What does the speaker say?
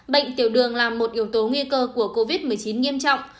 bệnh tiểu đường là một yếu tố nguy cơ của covid một mươi chín nghiêm trọng